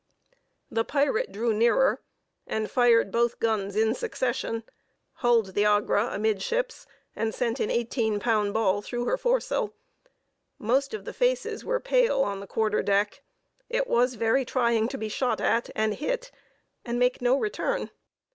The pirate drew nearer, and fired both guns in succession, hulled the Agra amidships, and sent an eighteen pound ball through her foresail. Most of the faces were pale on the quarter deck; it was very trying to be shot at, and hit, and make no return.